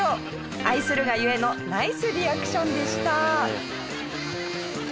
愛するが故のナイスリアクションでした。